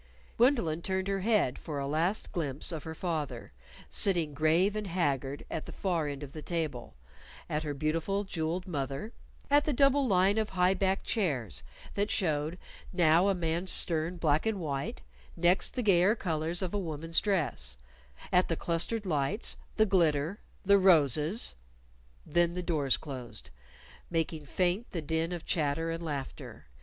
Gwendolyn turned her head for a last glimpse of her father, sitting, grave and haggard, at the far end of the table; at her beautiful, jeweled mother; at the double line of high backed chairs that showed, now a man's stern black and white, next the gayer colors of a woman's dress; at the clustered lights; the glitter; the roses Then the doors closed, making faint the din of chatter and laughter.